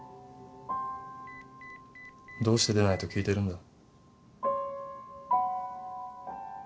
「どうして出ない？」と聞いてるんだ。